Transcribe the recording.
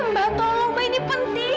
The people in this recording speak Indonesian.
mbak tolong mbak ini penting